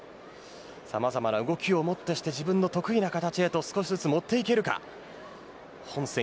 さまざまな動きをもってして自分の得意な形へと少しずつ持っていけるかです。